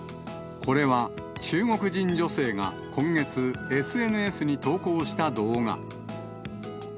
これは、中国人女性が今月、ＳＮＳに投稿した動画。